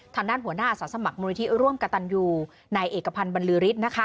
ทางด้านหัวหน้าอาสาสมัครมูลิธิร่วมกระตันยูนายเอกพันธ์บรรลือฤทธิ์นะคะ